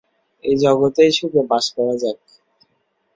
এই জগতেই সুখে বাস করা যাক।